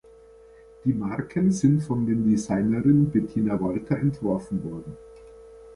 Die Marken sind von den Designerin Bettina Walter entworfen worden.